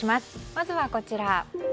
まずはこちら。